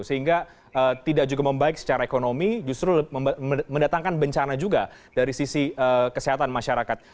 sehingga tidak juga membaik secara ekonomi justru mendatangkan bencana juga dari sisi kesehatan masyarakat